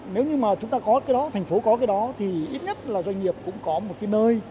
nếu như mà chúng ta có cái đó thành phố có cái đó thì ít nhất là doanh nghiệp cũng có một cái nơi